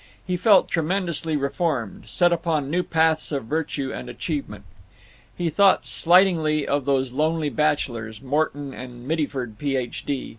He felt tremendously reformed, set upon new paths of virtue and achievement. He thought slightingly of those lonely bachelors, Morton and Mittyford, Ph. D.